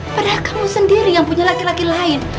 padahal kamu sendiri yang punya laki laki lain